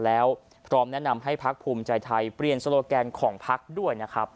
แล้วพร้อมแนะนำให้พักภูมิใจไทยเปลี่ยนโลแกนของพักด้วยนะครับ